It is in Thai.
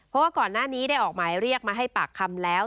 เพราะว่าก่อนหน้านี้ได้ออกหมายเรียกมาให้ปากคำแล้ว